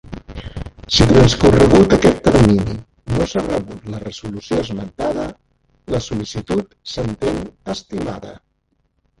Si transcorregut aquest termini no s'ha rebut la resolució esmentada, la sol·licitud s'entén estimada.